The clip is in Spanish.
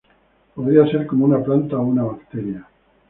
Podría ser como una planta o una bacteria.